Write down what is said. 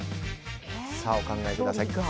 お考えください。